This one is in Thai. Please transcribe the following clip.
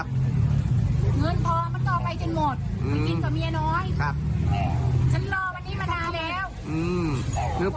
ก็ผู้ชายมันพยายามมีเมียน้อยไม่รู้กี่คน